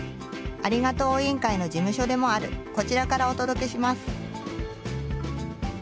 ありがとう委員会の事務所でもあるこちらからお届けします。